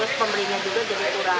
terus pembelinya juga jadi kurang